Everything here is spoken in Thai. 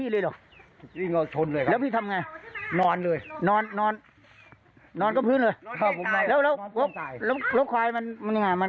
เล่นให้โชว์ด้วยพี่โชว์ด้วยควายเหยียบ